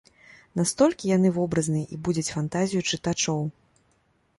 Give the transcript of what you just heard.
Настолькі яны вобразныя і будзяць фантазію чытачоў.